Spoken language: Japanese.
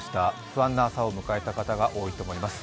不安な朝を迎えた方が多いと思います。